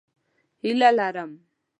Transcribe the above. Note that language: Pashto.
هیله لرم